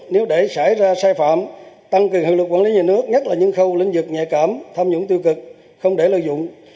nếu để xảy ra sai phạm tăng cường hiệu lực quản lý nhà nước nhất là những khâu lĩnh vực nhạy cảm tham nhũng tiêu cực không để lợi dụng